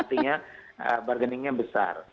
artinya bargaining nya besar